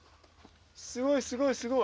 すごいすごいすごい！